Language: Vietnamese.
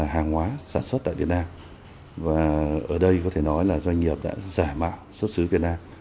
hàng hóa sản xuất tại việt nam và ở đây có thể nói là doanh nghiệp đã giả mạo xuất xứ việt nam